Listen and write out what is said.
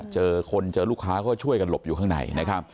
เจอคนเจอลูกค้าก็ช่วยกันหลบอยู่ข้างในนะครับ